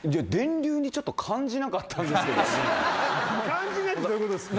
感じないってどういうことですか？